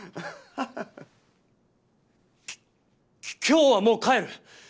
きょ今日はもう帰る。